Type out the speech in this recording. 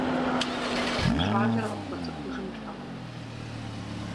Щӏалэр къыпхуэцӀыхужынтэкъым.